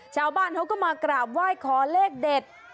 ชาวบ้านเขาก็มากราบไหว้ขอเลขเด็ด